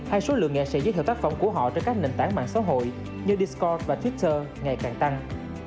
hay số lượng nghệ sĩ giới thiệu tác phẩm của họ trên các nền tảng mạng xã hội như di scott và twitter ngày càng tăng